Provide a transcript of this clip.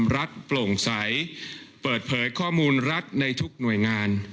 รัฐโปร่งใสเปิดเผยข้อมูลรัฐในทุกหน่วยงาน